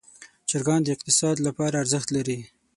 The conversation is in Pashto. چرګان د اقتصاد لپاره ارزښت لري.